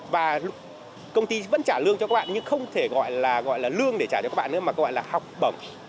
và công ty vẫn trả lương cho các bạn nhưng không thể gọi là gọi là lương để trả cho các bạn nữa mà gọi là học bổng